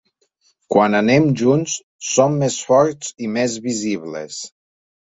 Quan anem junts som més forts i més visibles.